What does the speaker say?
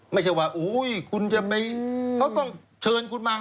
ไม่ใช่ว่าคุณจะไปเขาต้องเชิญคุณมา